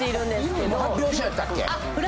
発表したんやったっけ？